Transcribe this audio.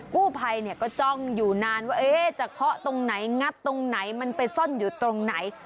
กู้ภัยก็จ้องอยู่นานว่าจะเคาะตรงไหนงัดตรงไหนมันไปซ่อนอยู่ตรงไหน